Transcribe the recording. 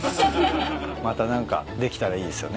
また何かできたらいいですよね。